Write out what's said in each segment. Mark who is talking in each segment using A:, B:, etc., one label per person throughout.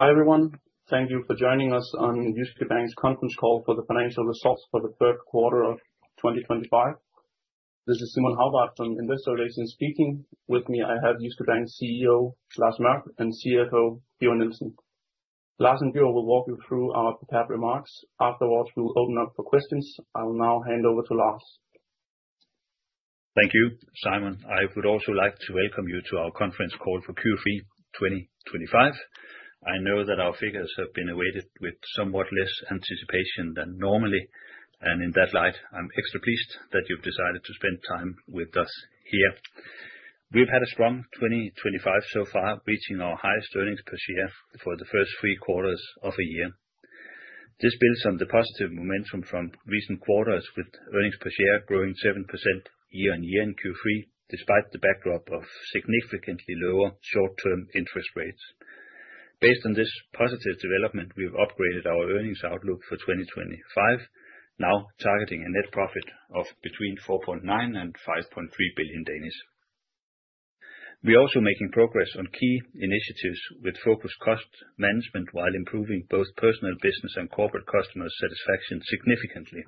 A: Hi everyone, thank you for joining us on Jyske Bank's conference call for the financial results for the third quarter of 2025. This is Simon Hagbart from Investor Relations speaking. With me I have Jyske Bank's CEO, Lars Mørch, and CFO, Birger Nielsen. Lars and Birger will walk you through our prepared remarks. Afterwards, we'll open up for questions. I will now hand over to Lars.
B: Thank you, Simon. I would also like to welcome you to our conference call for Q3 2025. I know that our figures have been awaited with somewhat less anticipation than normally, and in that light, I'm extra pleased that you've decided to spend time with us here. We've had a strong 2025 so far, reaching our highest earnings per share for the first three quarters of a year. This builds on the positive momentum from recent quarters, with earnings per share growing 7% year-on-year in Q3, despite the backdrop of significantly lower short-term interest rates. Based on this positive development, we've upgraded our earnings outlook for 2025, now targeting a net profit of between 4.9 billion and 5.3 billion. We're also making progress on key initiatives with focused cost management while improving both personal business and corporate customer satisfaction significantly.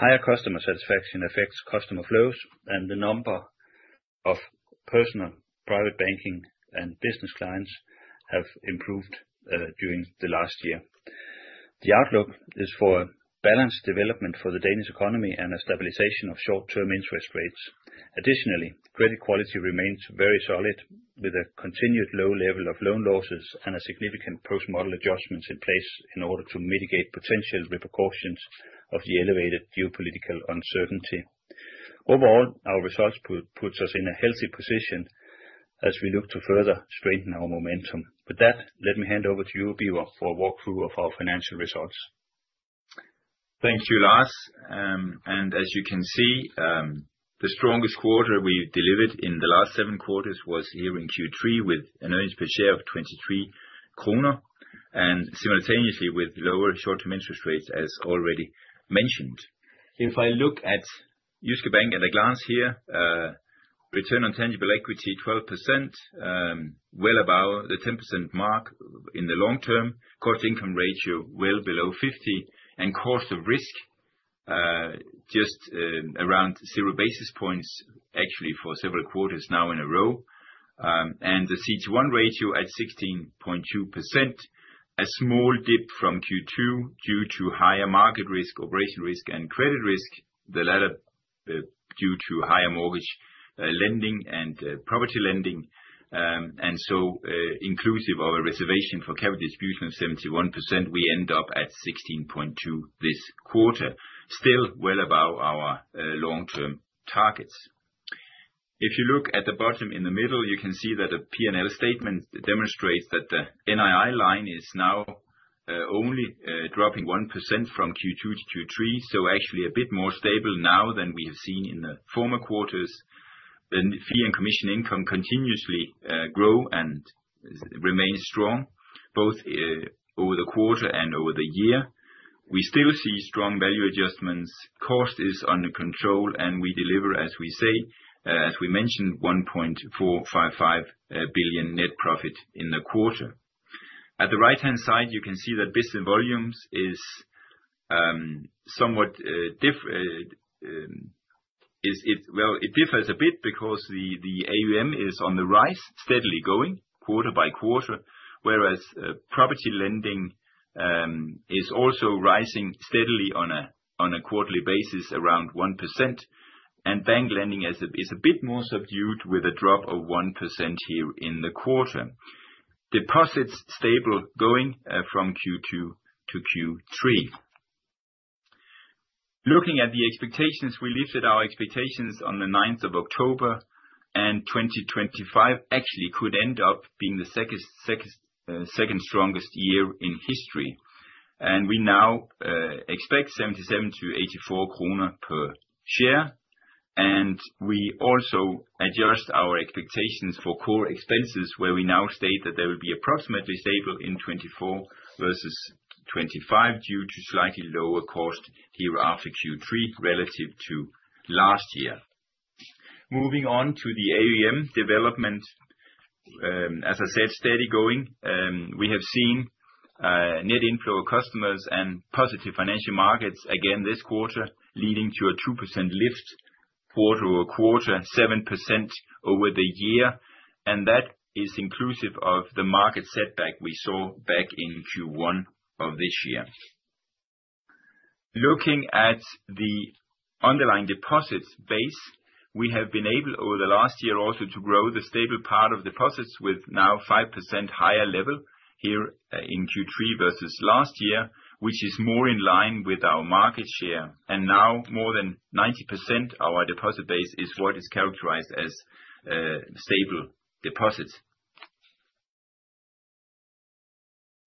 B: Higher customer satisfaction affects customer flows, and the number of personal private banking and business clients have improved during the last year. The outlook is for a balanced development for the Danish economy and a stabilization of short-term interest rates. Additionally, credit quality remains very solid, with a continued low level of loan losses and significant post-model adjustments in place in order to mitigate potential repercussions of the elevated geopolitical uncertainty. Overall, our results put us in a healthy position as we look to further strengthen our momentum. With that, let me hand over to you, Birger, for a walkthrough of our financial results.
C: Thank you, Lars. And as you can see, the strongest quarter we've delivered in the last seven quarters was here in Q3 with an earnings per share of 23 kroner, and simultaneously with lower short-term interest rates, as already mentioned. If I look at Jyske Bank at a glance here, return on tangible equity 12%, well above the 10% mark in the long term, cost-to-income ratio well below 50%, and cost of risk just around zero basis points actually for several quarters now in a row, and the CET1 ratio at 16.2%, a small dip from Q2 due to higher market risk, operational risk, and credit risk, the latter due to higher mortgage lending and property lending. And so, inclusive of a reservation for capital distribution of 71%, we end up at 16.2% this quarter, still well above our long-term targets. If you look at the bottom in the middle, you can see that the P&L statement demonstrates that the NII line is now only dropping 1% from Q2 to Q3, so actually a bit more stable now than we have seen in the former quarters. The fee and commission income continuously grow and remain strong, both over the quarter and over the year. We still see strong value adjustments, cost is under control, and we deliver, as we say, as we mentioned, 1.455 billion net profit in the quarter. At the right-hand side, you can see that business volumes is somewhat different, well, it differs a bit because the AUM is on the rise, steadily going quarter by quarter, whereas property lending is also rising steadily on a quarterly basis around 1%, and bank lending is a bit more subdued with a drop of 1% here in the quarter. Deposits stable, going from Q2 to Q3. Looking at the expectations, we lifted our expectations on the 9th of October, and 2025 actually could end up being the second strongest year in history, and we now expect 77-84 kroner per share, and we also adjust our expectations for core expenses, where we now state that they will be approximately stable in 2024 versus 2025 due to slightly lower cost here after Q3 relative to last year. Moving on to the AUM development, as I said, steady going. We have seen net inflow of customers and positive financial markets again this quarter, leading to a 2% lift quarter-over-quarter, 7% over the year, and that is inclusive of the market setback we saw back in Q1 of this year. Looking at the underlying deposits base, we have been able over the last year also to grow the stable part of deposits with now 5% higher level here in Q3 versus last year, which is more in line with our market share. And now more than 90% of our deposit base is what is characterized as stable deposits.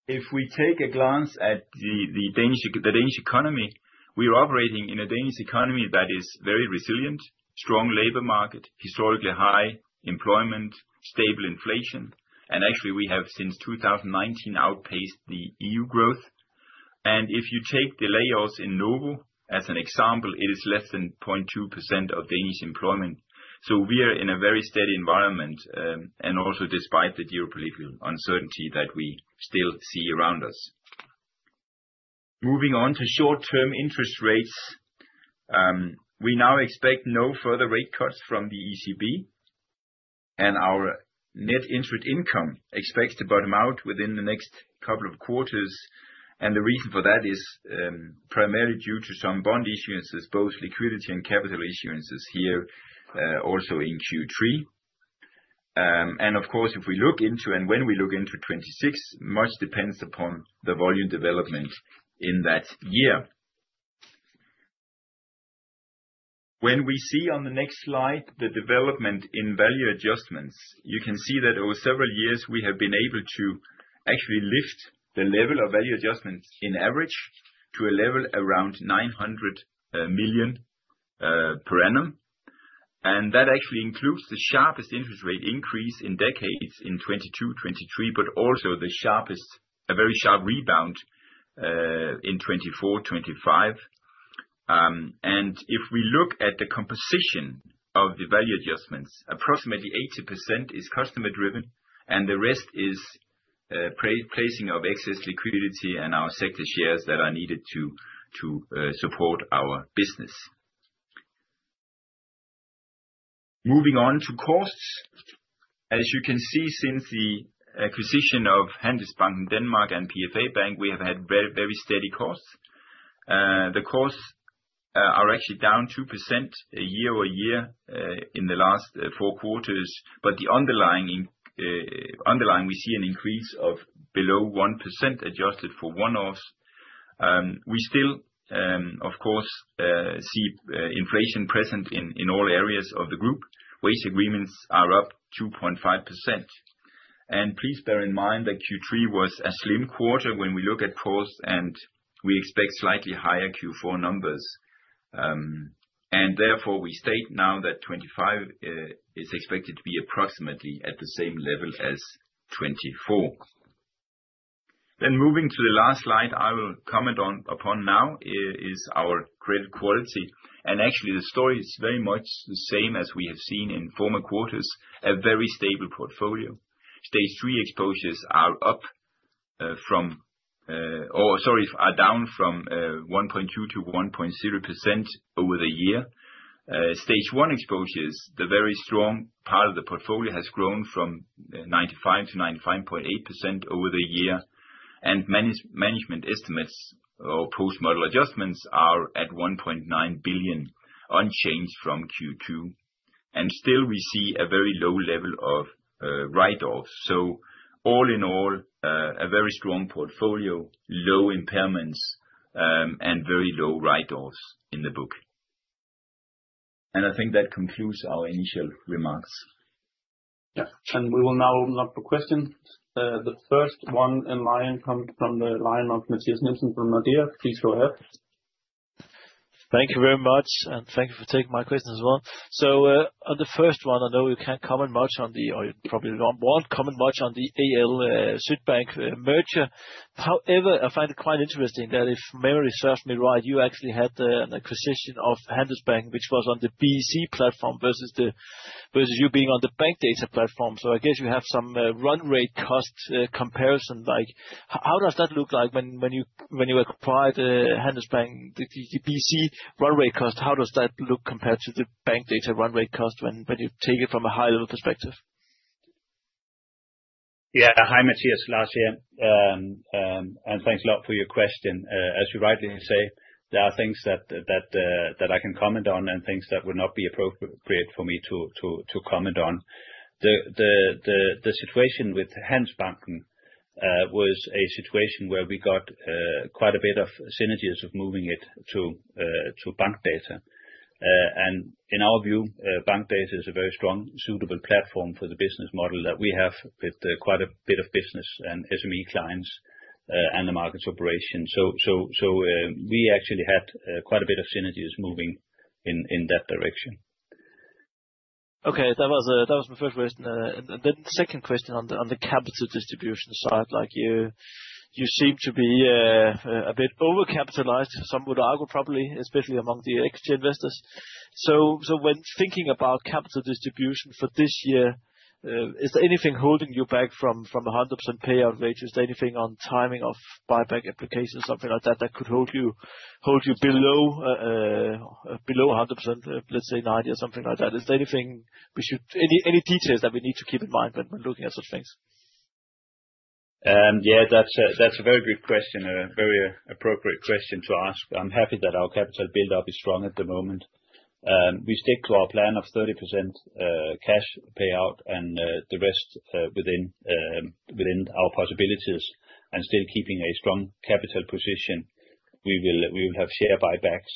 C: If we take a glance at the Danish economy, we are operating in a Danish economy that is very resilient, strong labor market, historically high employment, stable inflation, and actually we have since 2019 outpaced the EU growth. And if you take the layoffs in Novo as an example, it is less than 0.2% of Danish employment. So we are in a very steady environment and also despite the geopolitical uncertainty that we still see around us. Moving on to short-term interest rates, we now expect no further rate cuts from the ECB, and our net interest income expects to bottom out within the next couple of quarters. And the reason for that is primarily due to some bond issuances, both liquidity and capital issuances here also in Q3. And of course, if we look into and when we look into 2026, much depends upon the volume development in that year. When we see on the next slide the development in value adjustments, you can see that over several years we have been able to actually lift the level of value adjustments in average to a level around 900 million per annum. And that actually includes the sharpest interest rate increase in decades in 2022, 2023, but also the sharpest, a very sharp rebound in 2024, 2025. And if we look at the composition of the value adjustments, approximately 80% is customer-driven, and the rest is placing of excess liquidity and our sector shares that are needed to support our business. Moving on to costs, as you can see since the acquisition of Handelsbanken Denmark and PFA Bank, we have had very steady costs. The costs are actually down 2% year-over-year in the last four quarters, but the underlying, we see an increase of below 1% adjusted for one-offs. We still, of course, see inflation present in all areas of the group. Wage agreements are up 2.5%. And please bear in mind that Q3 was a slim quarter when we look at costs, and we expect slightly higher Q4 numbers. And therefore, we state now that 2025 is expected to be approximately at the same level as 2024. Then moving to the last slide I will comment upon now is our credit quality. And actually, the story is very much the same as we have seen in former quarters, a very stable portfolio. Stage 3 exposures are up from, or sorry, are down from 1.2%-1.0% over the year. Stage 1 exposures, the very strong part of the portfolio has grown from 95%-95.8% over the year. And management estimates or post-model adjustments are at 1.9 billion unchanged from Q2. And still, we see a very low level of write-offs. So all in all, a very strong portfolio, low impairments, and very low write-offs in the book. And I think that concludes our initial remarks.
A: Yeah, and we will now open up for questions. The first one in line comes from the line of Mathias Nielsen from Nordea. Please go ahead.
D: Thank you very much, and thank you for taking my question as well. So on the first one, I know we can't comment much on the, or probably won't comment much on the AL Sydbank merger. However, I find it quite interesting that if memory serves me right, you actually had an acquisition of Handelsbanken, which was on the BEC platform versus you being on the Bankdata platform. So I guess you have some run rate cost comparison. How does that look like when you acquired Handelsbanken, the BEC run rate cost? How does that look compared to the Bankdata run rate cost when you take it from a high-level perspective?
B: Yeah, hi, Mathias, Lars here. And thanks a lot for your question. As you rightly say, there are things that I can comment on and things that would not be appropriate for me to comment on. The situation with Handelsbanken was a situation where we got quite a bit of synergies of moving it to Bankdata. And in our view, Bankdata is a very strong, suitable platform for the business model that we have with quite a bit of business and SME clients and the markets operation. So we actually had quite a bit of synergies moving in that direction.
D: Okay, that was my first question, and then the second question on the capital distribution side, like you seem to be a bit overcapitalized, some would argue probably, especially among the equity investors, so when thinking about capital distribution for this year, is there anything holding you back from 100% payout rate? Is there anything on timing of buyback applications, something like that, that could hold you below 100%, let's say 90 or something like that? Is there anything we should, any details that we need to keep in mind when we're looking at such things?
C: Yeah, that's a very good question, a very appropriate question to ask. I'm happy that our capital build-up is strong at the moment. We stick to our plan of 30% cash payout and the rest within our possibilities and still keeping a strong capital position. We will have share buybacks.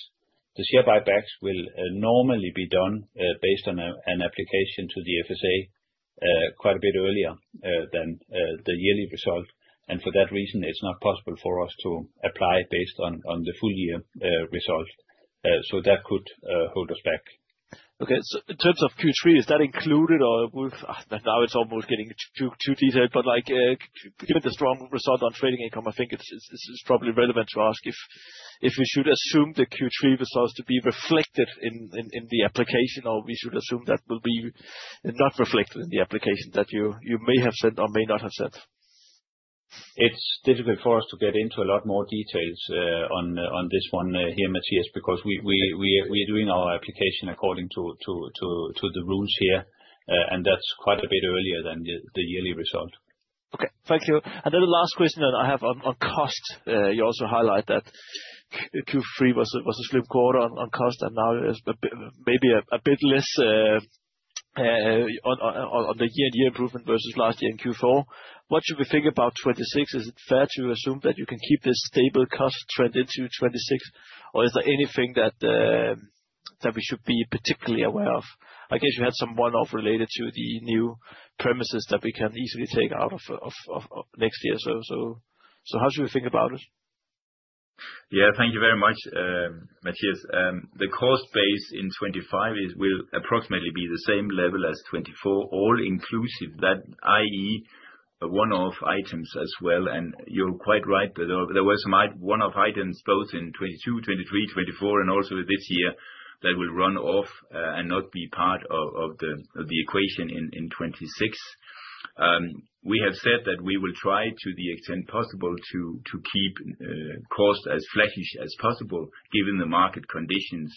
C: The share buybacks will normally be done based on an application to the FSA quite a bit earlier than the yearly result. And for that reason, it's not possible for us to apply based on the full year result. So that could hold us back.
D: Okay, so in terms of Q3, is that included, or now it's almost getting too detailed, but given the strong result on trading income, I think it's probably relevant to ask if we should assume the Q3 results to be reflected in the application or we should assume that will be not reflected in the application that you may have said or may not have said?
C: It's difficult for us to get into a lot more details on this one here, Mathias, because we are doing our application according to the rules here, and that's quite a bit earlier than the yearly result.
D: Okay, thank you. And then the last question that I have on cost, you also highlight that Q3 was a slim quarter on cost and now maybe a bit less on the year-to-year improvement versus last year in Q4. What should we think about 2026? Is it fair to assume that you can keep this stable cost trend into 2026? Or is there anything that we should be particularly aware of? I guess you had some one-off related to the new premises that we can easily take out of next year. So how should we think about it?
C: Yeah, thank you very much, Mathias. The cost base in 2025 will approximately be the same level as 2024, all inclusive that, i.e., one-off items as well, and you're quite right that there were some one-off items both in 2022, 2023, 2024, and also this year that will run off and not be part of the equation in 2026. We have said that we will try to the extent possible to keep cost as flattish as possible given the market conditions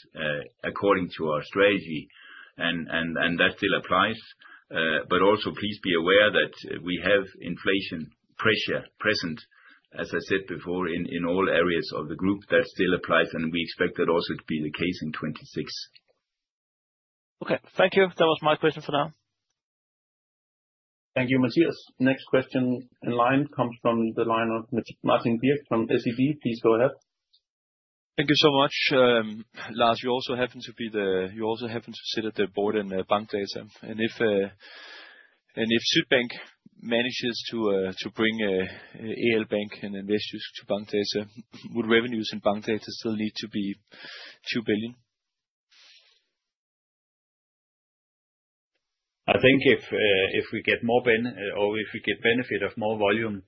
C: according to our strategy, and that still applies, but also please be aware that we have inflation pressure present, as I said before, in all areas of the group. That still applies, and we expect that also to be the case in 2026.
D: Okay, thank you. That was my question for now.
A: Thank you, Mathias. Next question in line comes from the line of Martin Birk from SEB. Please go ahead.
E: Thank you so much. Lars, you also happen to sit at the board in Bankdata, and if Sydbank manages to bring AL Bank and Vestjysk Bank to Bankdata, would revenues in Bankdata still need to be 2 billion?
B: I think if we get more or if we get benefit of more volume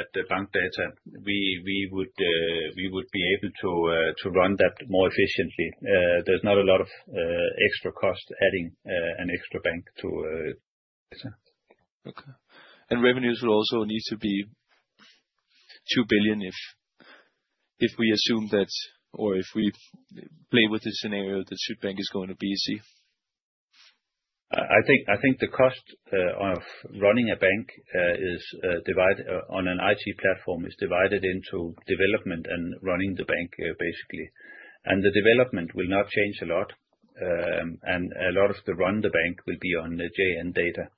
B: at Bankdata, we would be able to run that more efficiently. There's not a lot of extra cost adding an extra bank to Bankdata.
E: Okay. And revenues will also need to be 2 billion if we assume that or if we play with the scenario that Sydbank is going to be easy?
B: I think the cost of running a bank is divided on an IT platform into development and running the bank basically. The development will not change a lot. A lot of the run the bank will be on JN Data.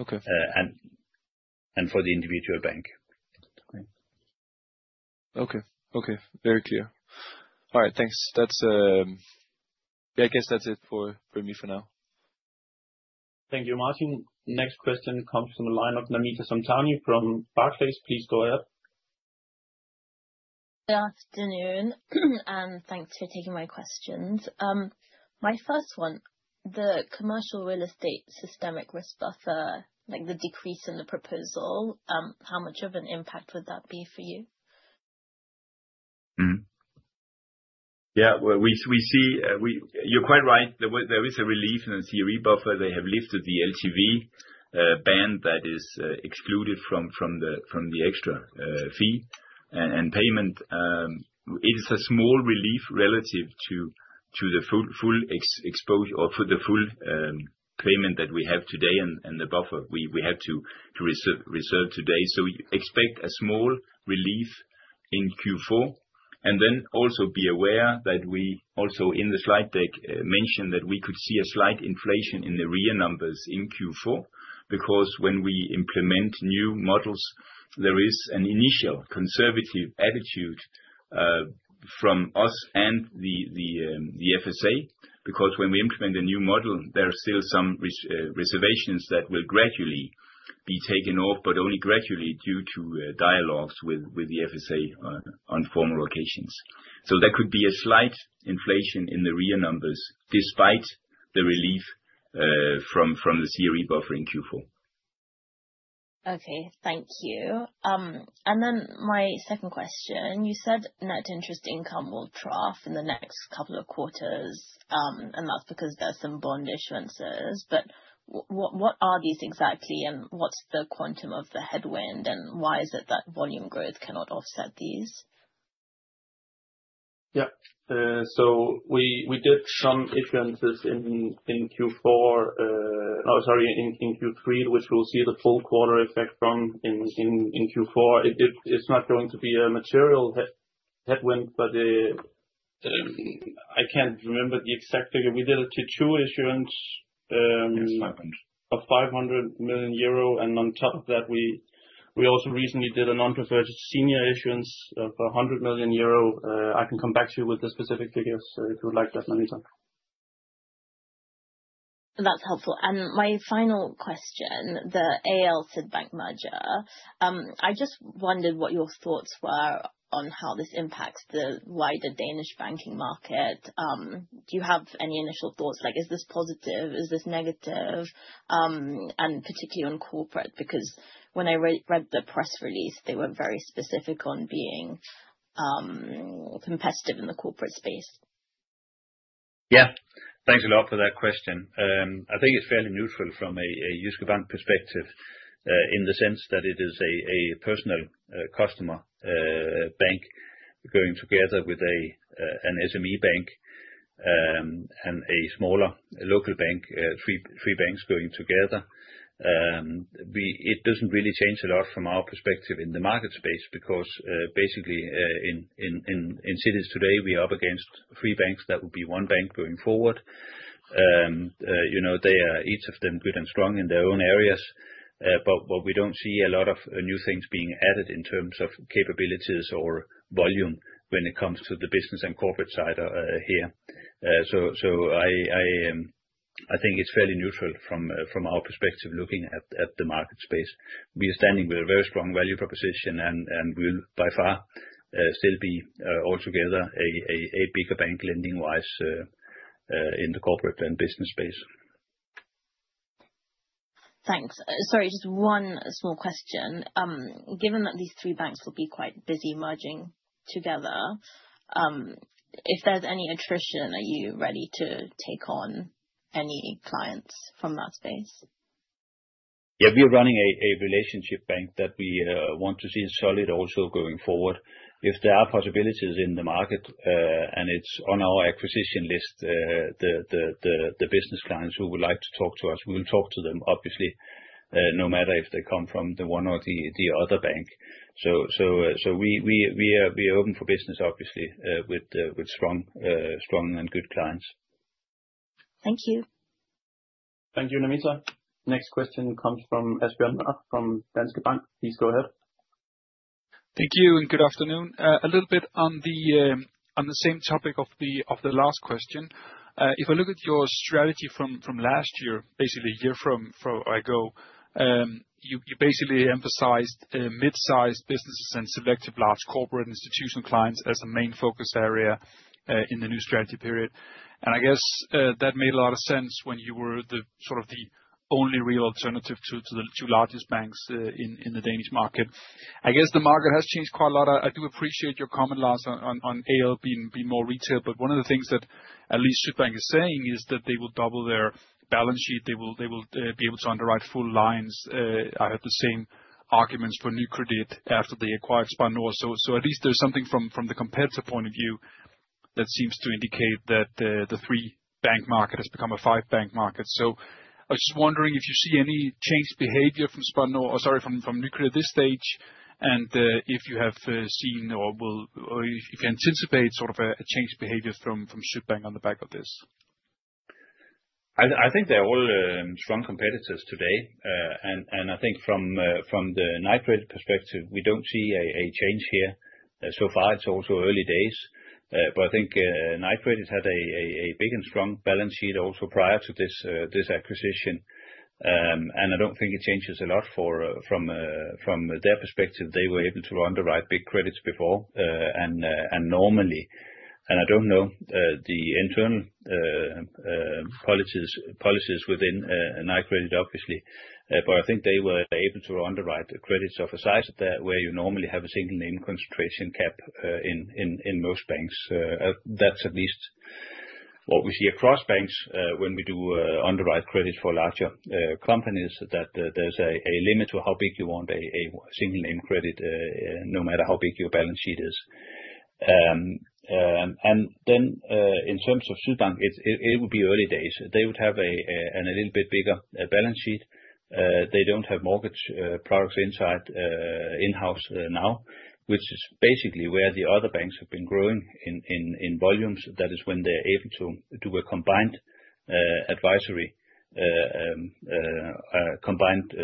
E: Okay.
B: For the individual bank.
E: Okay, okay, very clear. All right, thanks. Yeah, I guess that's it for me for now.
A: Thank you, Martin. Next question comes from the line of Namita Samtani from Barclays. Please go ahead.
F: Good afternoon, and thanks for taking my questions. My first one, the Commercial Real Estate systemic risk buffer, like the decrease in the proposal, how much of an impact would that be for you?
C: Yeah, we see you're quite right. There is a relief in the CRE buffer. They have lifted the LTV band that is excluded from the extra fee and payment. It is a small relief relative to the full exposure or for the full payment that we have today and the buffer we have to reserve today. So expect a small relief in Q4. And then also be aware that we also in the slide deck mentioned that we could see a slight inflation in the REA numbers in Q4 because when we implement new models, there is an initial conservative attitude from us and the FSA because when we implement a new model, there are still some reservations that will gradually be taken off, but only gradually due to dialogues with the FSA on formal validations. So there could be a slight inflation in the REA numbers despite the relief from the CRE buffer in Q4.
F: Okay, thank you. And then my second question, you said net interest income will trough in the next couple of quarters, and that's because there's some bond issuances. But what are these exactly, and what's the quantum of the headwind, and why is it that volume growth cannot offset these?
A: Yeah, so we did some issuances in Q4, sorry, in Q3, which we'll see the full quarter effect from in Q4. It's not going to be a material headwind, but I can't remember the exact figure. We did a T2 issuance of 500 million euro, and on top of that, we also recently did a non-preferred senior issuance for 100 million euro. I can come back to you with the specific figures if you would like that, Namita.
F: That's helpful. And my final question, the AL Sydbank merger, I just wondered what your thoughts were on how this impacts the wider Danish banking market. Do you have any initial thoughts? Like, is this positive? Is this negative? And particularly on corporate, because when I read the press release, they were very specific on being competitive in the corporate space.
C: Yeah, thanks a lot for that question. I think it's fairly neutral from a Jyske Bank perspective in the sense that it is a personal customer bank going together with an SME bank and a smaller local bank, three banks going together. It doesn't really change a lot from our perspective in the market space because basically in cities today, we are up against three banks that would be one bank going forward. They are each of them good and strong in their own areas, but we don't see a lot of new things being added in terms of capabilities or volume when it comes to the business and corporate side here. So I think it's fairly neutral from our perspective looking at the market space. We are standing with a very strong value proposition, and we will by far still be altogether a bigger bank lending-wise in the corporate and business space.
F: Thanks. Sorry, just one small question. Given that these three banks will be quite busy merging together, if there's any attrition, are you ready to take on any clients from that space?
B: Yeah, we are running a relationship bank that we want to see solid also going forward. If there are possibilities in the market and it's on our acquisition list, the business clients who would like to talk to us, we will talk to them, obviously, no matter if they come from one or the other bank. So we are open for business, obviously, with strong and good clients.
F: Thank you.
A: Thank you, Namita. Next question comes from AsBirger Mørk from Danske Bank. Please go ahead.
G: Thank you and good afternoon. A little bit on the same topic of the last question. If I look at your strategy from last year, basically a year or so ago, you basically emphasized midsized businesses and selective large corporate institutional clients as a main focus area in the new strategy period, and I guess that made a lot of sense when you were sort of the only real alternative to the two largest banks in the Danish market. I guess the market has changed quite a lot. I do appreciate your comment, Lars, on AL being more retail, but one of the things that at least Sydbank is saying is that they will double their balance sheet. They will be able to underwrite full lines. I have the same arguments for Nykredit after they acquired Spar Nord. So at least there's something from the competitor point of view that seems to indicate that the three bank market has become a five bank market. So I was just wondering if you see any changed behavior from Spar Nord, sorry, from Nykredit at this stage, and if you have seen or if you anticipate sort of a changed behavior from Sydbank on the back of this.
B: I think they're all strong competitors today. And I think from the Nykredit perspective, we don't see a change here. So far, it's also early days. But I think Nykredit has had a big and strong balance sheet also prior to this acquisition. And I don't think it changes a lot from their perspective. They were able to underwrite big credits before and normally. And I don't know the internal policies within Nykredit, obviously, but I think they were able to underwrite credits of a size where you normally have a single name concentration cap in most banks. That's at least what we see across banks when we do underwrite credits for larger companies, that there's a limit to how big you want a single name credit no matter how big your balance sheet is. And then in terms of Sydbank, it would be early days. They would have a little bit bigger balance sheet. They don't have mortgage products in-house now, which is basically where the other banks have been growing in volumes. That is when they're able to do a combined advisory, combined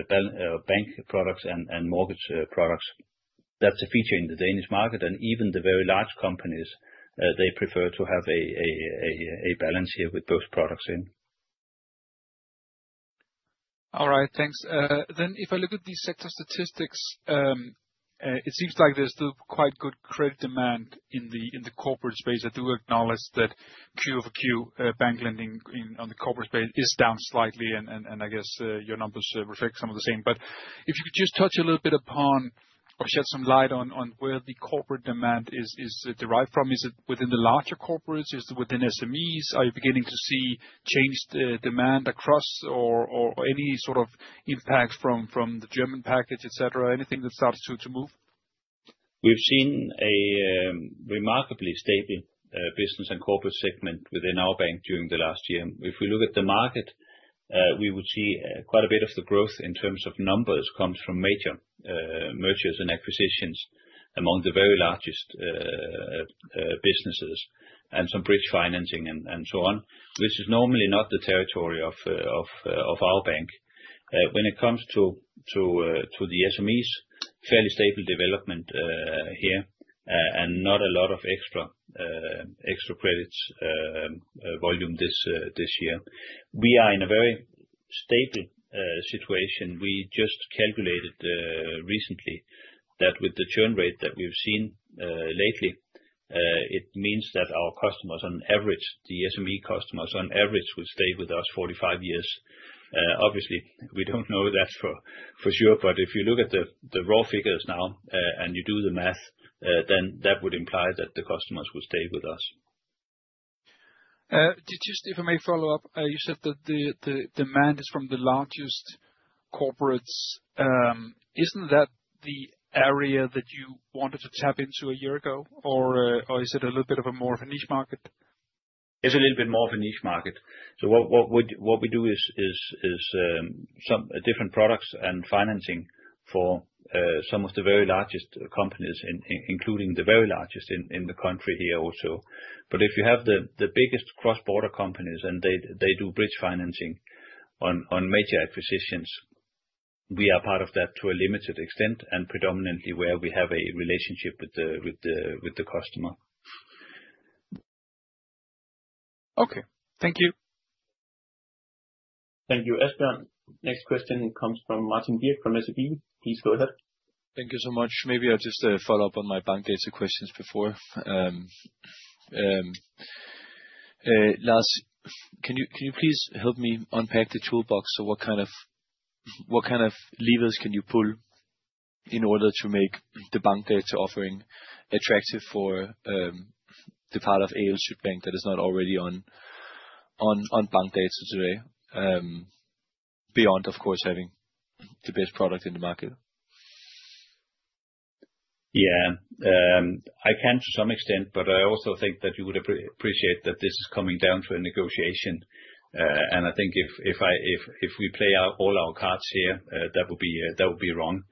B: bank products and mortgage products. That's a feature in the Danish market, and even the very large companies, they prefer to have a balance here with both products in.
G: All right, thanks. Then if I look at these sector statistics, it seems like there's still quite good credit demand in the corporate space. I do acknowledge that Q-over-Q bank lending on the corporate space is down slightly, and I guess your numbers reflect some of the same. But if you could just touch a little bit upon or shed some light on where the corporate demand is derived from. Is it within the larger corporates? Is it within SMEs? Are you beginning to see changed demand across or any sort of impact from the German package, etc.? Anything that starts to move?
B: We've seen a remarkably stable business and corporate segment within our bank during the last year. If we look at the market, we would see quite a bit of the growth in terms of numbers comes from major mergers and acquisitions among the very largest businesses and some bridge financing and so on, which is normally not the territory of our bank. When it comes to the SMEs, fairly stable development here and not a lot of extra credit volume this year. We are in a very stable situation. We just calculated recently that with the churn rate that we've seen lately, it means that our customers on average, the SME customers on average will stay with us 45 years. Obviously, we don't know that for sure, but if you look at the raw figures now and you do the math, then that would imply that the customers will stay with us.
G: Did you, if I may follow up, you said that the demand is from the largest corporates? Isn't that the area that you wanted to tap into a year ago, or is it a little bit of a more of a niche market?
C: It's a little bit more of a niche market. So what we do is some different products and financing for some of the very largest companies, including the very largest in the country here also. But if you have the biggest cross-border companies and they do bridge financing on major acquisitions, we are part of that to a limited extent and predominantly where we have a relationship with the customer.
G: Okay, thank you.
A: Thank you, AsBirger. Next question comes from Martin Birk from SEB. Please go ahead.
E: Thank you so much. Maybe I'll just follow up on my Bankdata questions before. Lars, can you please help me unpack the toolbox? So what kind of levers can you pull in order to make the Bankdata offering attractive for the part of AL Sydbank that is not already on Bankdata today, beyond, of course, having the best product in the market?
B: Yeah, I can, to some extent, but I also think that you would appreciate that this is coming down to a negotiation and I think if we play out all our cards here, that would be wrong,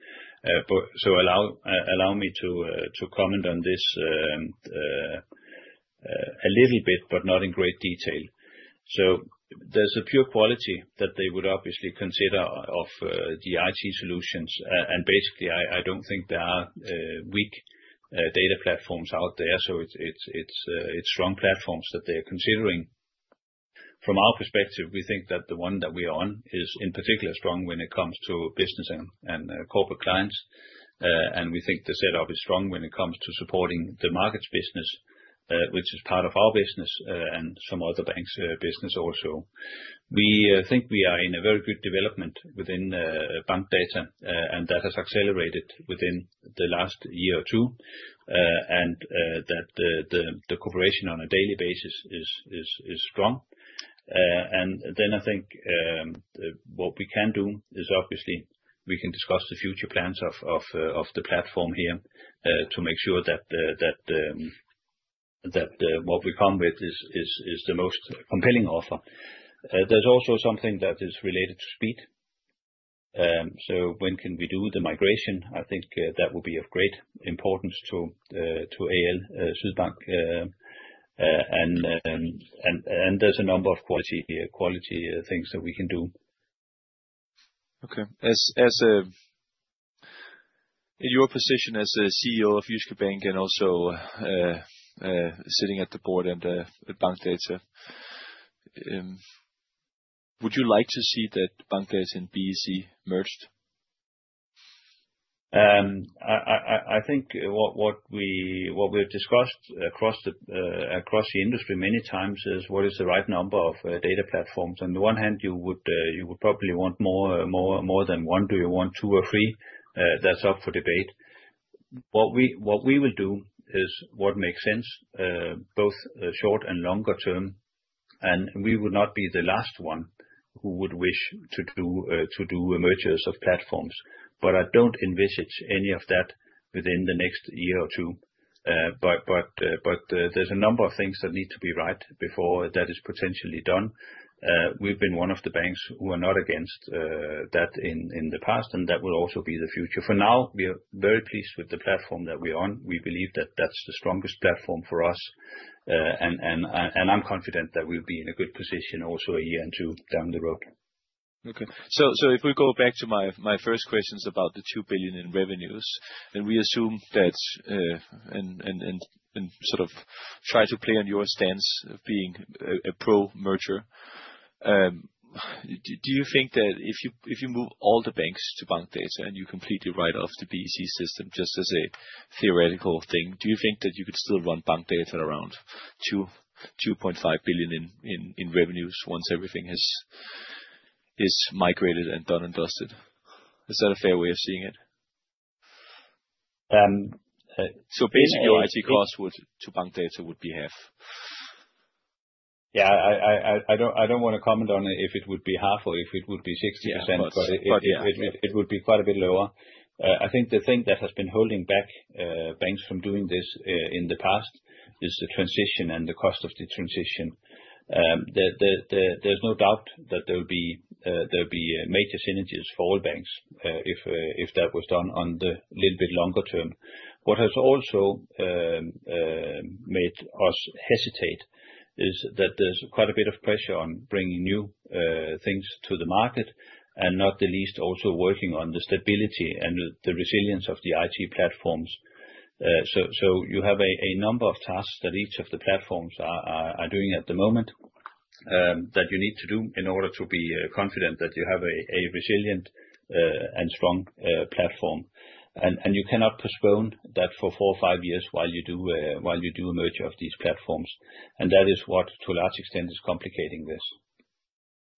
B: so allow me to comment on this a little bit, but not in great detail, so there's a pure quality that they would obviously consider of the IT solutions and basically, I don't think there are weak data platforms out there, so it's strong platforms that they are considering. From our perspective, we think that the one that we are on is in particular strong when it comes to business and corporate clients and we think the setup is strong when it comes to supporting the markets business, which is part of our business and some other banks' business also. We think we are in a very good development within Bankdata, and that has accelerated within the last year or two, and that the cooperation on a daily basis is strong. And then I think what we can do is obviously we can discuss the future plans of the platform here to make sure that what we come with is the most compelling offer. There's also something that is related to speed. So when can we do the migration? I think that would be of great importance to AL Sydbank. And there's a number of quality things that we can do.
E: Okay. In your position as a CEO of Jyske Bank and also sitting at the board and Bankdata, would you like to see that Bankdata and BEC merged?
B: I think what we've discussed across the industry many times is what is the right number of data platforms. On the one hand, you would probably want more than one. Do you want two or three? That's up for debate. What we will do is what makes sense, both short and longer term. And we would not be the last one who would wish to do mergers of platforms. But I don't envisage any of that within the next year or two. But there's a number of things that need to be right before that is potentially done. We've been one of the banks who are not against that in the past, and that will also be the future. For now, we are very pleased with the platform that we're on. We believe that that's the strongest platform for us. I'm confident that we'll be in a good position also a year and two down the road.
E: Okay. So if we go back to my first questions about the 2 billion in revenues, then we assume that and sort of try to play on your stance of being a pro-merger. Do you think that if you move all the banks to Bankdata and you completely write off the BEC system just as a theoretical thing, do you think that you could still run Bankdata around 2.5 billion in revenues once everything is migrated and done and dusted? Is that a fair way of seeing it?
B: So basically.
E: Your IT cost to Bankdata would be half?
B: Yeah, I don't want to comment on it if it would be half or if it would be 60%, but it would be quite a bit lower. I think the thing that has been holding back banks from doing this in the past is the transition and the cost of the transition. There's no doubt that there will be major synergies for all banks if that was done on the little bit longer term. What has also made us hesitate is that there's quite a bit of pressure on bringing new things to the market, and not the least also working on the stability and the resilience of the IT platforms. So you have a number of tasks that each of the platforms are doing at the moment that you need to do in order to be confident that you have a resilient and strong platform. And you cannot postpone that for four or five years while you do a merger of these platforms. And that is what, to a large extent, is complicating this.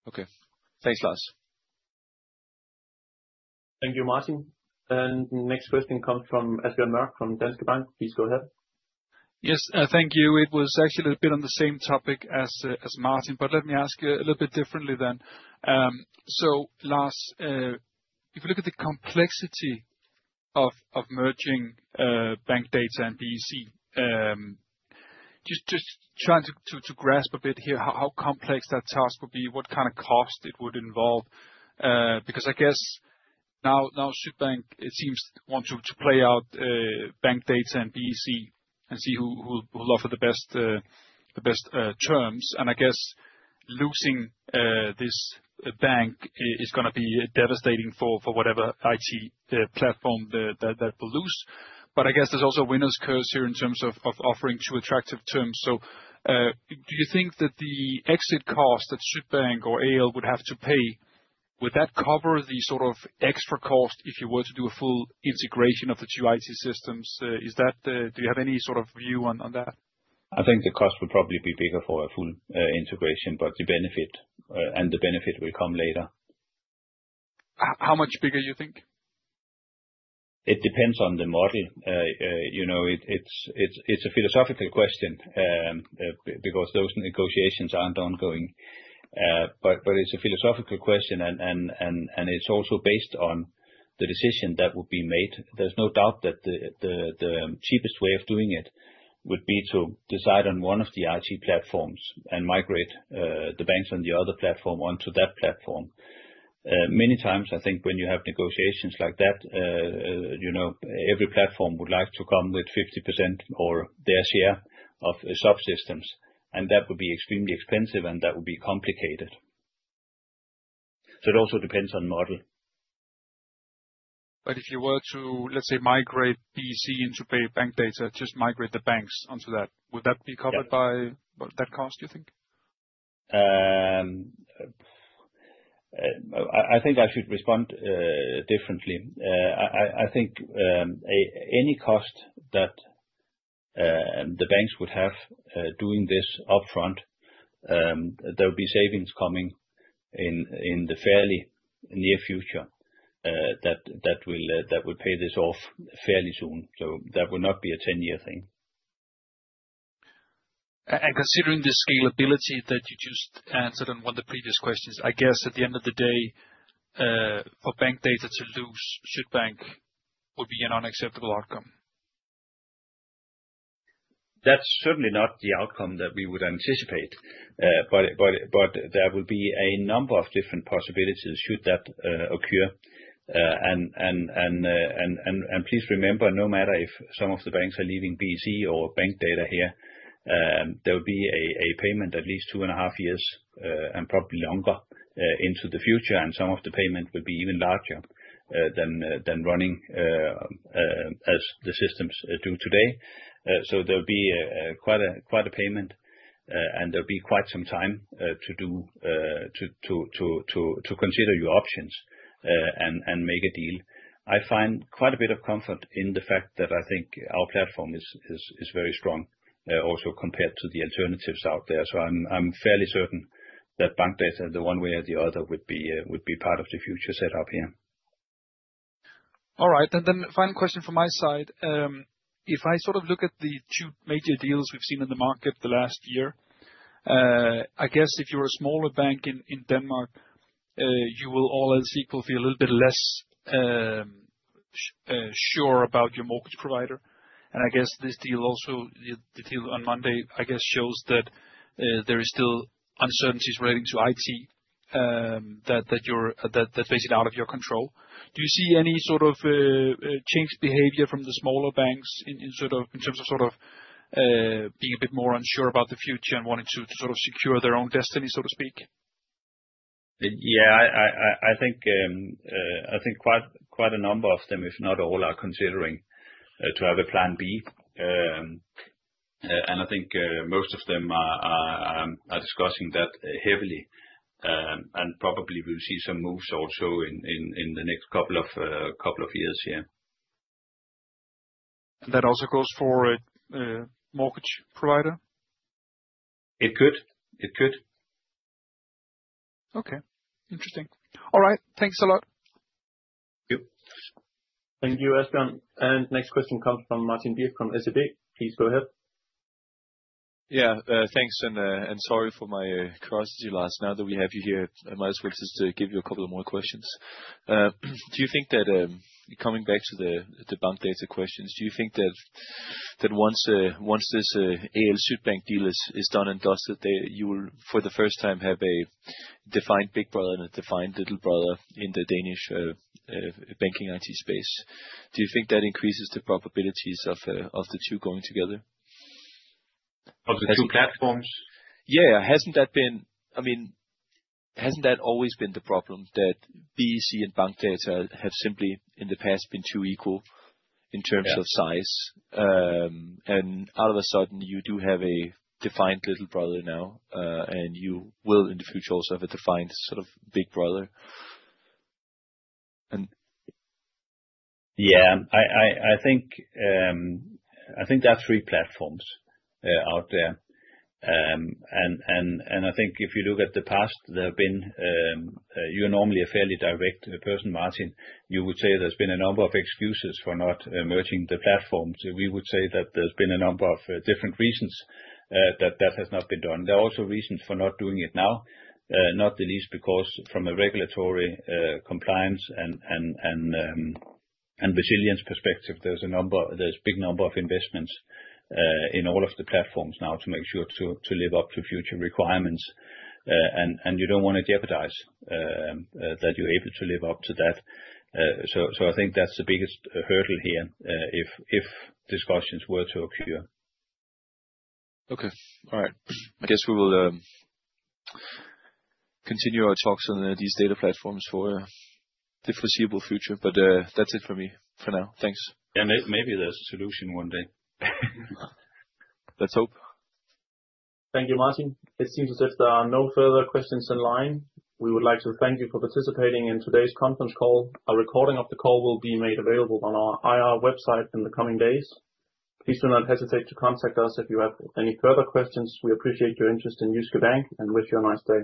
E: Okay. Thanks, Lars.
A: Thank you, Martin. Next question comes from AsBirger Mørk from Danske Bank. Please go ahead.
G: Yes, thank you. It was actually a little bit on the same topic as Martin, but let me ask you a little bit differently then. So Lars, if you look at the complexity of merging Bankdata and BEC, just trying to grasp a bit here how complex that task would be, what kind of cost it would involve. Because I guess now Sydbank, it seems, wants to play out Bankdata and BEC and see who will offer the best terms. And I guess losing this bank is going to be devastating for whatever IT platform that will lose. But I guess there's also a winner's curse here in terms of offering too attractive terms. So do you think that the exit cost that Sydbank or AL would have to pay, would that cover the sort of extra cost if you were to do a full integration of the two IT systems? Do you have any sort of view on that?
B: I think the cost would probably be bigger for a full integration, but the benefit will come later.
G: How much bigger, you think?
B: It depends on the model. It's a philosophical question because those negotiations aren't ongoing. But it's a philosophical question, and it's also based on the decision that will be made. There's no doubt that the cheapest way of doing it would be to decide on one of the IT platforms and migrate the banks on the other platform onto that platform. Many times, I think when you have negotiations like that, every platform would like to come with 50% or their share of subsystems. And that would be extremely expensive, and that would be complicated. So it also depends on model.
G: But if you were to, let's say, migrate BEC into Bankdata, just migrate the banks onto that, would that be covered by that cost, you think?
B: I think I should respond differently. I think any cost that the banks would have doing this upfront, there would be savings coming in the fairly near future that would pay this off fairly soon, so that would not be a 10-year thing.
G: And considering the scalability that you just answered on one of the previous questions, I guess at the end of the day, for Bankdata to lose, Sydbank would be an unacceptable outcome?
B: That's certainly not the outcome that we would anticipate. But there will be a number of different possibilities should that occur. And please remember, no matter if some of the banks are leaving BEC or Bankdata here, there will be a payment at least two and a half years and probably longer into the future. And some of the payment will be even larger than running as the systems do today. So there will be quite a payment, and there will be quite some time to consider your options and make a deal. I find quite a bit of comfort in the fact that I think our platform is very strong also compared to the alternatives out there. So I'm fairly certain that Bankdata, the one way or the other, would be part of the future setup here.
G: All right. And then final question from my side. If I sort of look at the two major deals we've seen in the market the last year, I guess if you're a smaller bank in Denmark, you will all, as well, feel a little bit less sure about your mortgage provider. And I guess this deal also, the deal on Monday, I guess, shows that there are still uncertainties relating to IT that's basically out of your control. Do you see any sort of changed behavior from the smaller banks in terms of sort of being a bit more unsure about the future and wanting to sort of secure their own destiny, so to speak?
B: Yeah, I think quite a number of them, if not all, are considering to have a plan B. And I think most of them are discussing that heavily. And probably we'll see some moves also in the next couple of years here.
G: That also goes for a mortgage provider?
B: It could. It could.
G: Okay. Interesting. All right. Thanks a lot.
A: Thank you, AsBirger. And next question comes from Martin Birk from SEB. Please go ahead.
E: Yeah, thanks. And sorry for my curiosity, Lars. Now that we have you here, I might as well just give you a couple of more questions. Do you think that coming back to the Bankdata questions, do you think that once this AL Sydbank deal is done and dusted, you will for the first time have a defined big brother and a defined little brother in the Danish banking IT space? Do you think that increases the probabilities of the two going together?
B: Of the two platforms?
E: Yeah. Hasn't that been, I mean, hasn't that always been the problem that BEC and Bankdata have simply in the past been too equal in terms of size? And all of a sudden, you do have a defined little brother now, and you will in the future also have a defined sort of big brother?
B: Yeah. I think there are three platforms out there. And I think if you look at the past, there have been. You're normally a fairly direct person, Martin. You would say there's been a number of excuses for not merging the platforms. We would say that there's been a number of different reasons that that has not been done. There are also reasons for not doing it now, not the least because from a regulatory compliance and resilience perspective, there's a big number of investments in all of the platforms now to make sure to live up to future requirements. And you don't want to jeopardize that you're able to live up to that. So I think that's the biggest hurdle here if discussions were to occur.
E: Okay. All right. I guess we will continue our talks on these data platforms for the foreseeable future. But that's it for me for now. Thanks.
B: Yeah, maybe there's a solution one day.
E: Let's hope.
A: Thank you, Martin. It seems as if there are no further questions in line. We would like to thank you for participating in today's conference call. A recording of the call will be made available on our IR website in the coming days. Please do not hesitate to contact us if you have any further questions. We appreciate your interest in Jyske Bank and wish you a nice day.